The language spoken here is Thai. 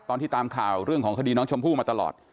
ตามข่าวเรื่องของคดีน้องชมพู่มาตลอด